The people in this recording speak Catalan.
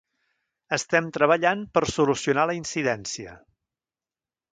Estem treballant per solucionar la incidència.